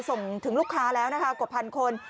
ส่งถึงลูกค้าแล้วกว่า๑๐๐๐คน